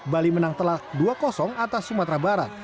bali menang telak dua atas sumatera barat